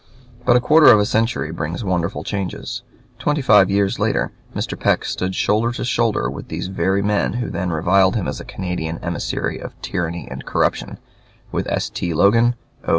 But a quarter of a century brings wonderful changes. Twenty five years later Mr. Peck stood shoulder to shoulder with these very men who then reviled him as a Canadian emissary of tyranny and corruption, with S. T. Logan, 0.